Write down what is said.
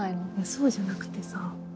そうじゃなくてさ。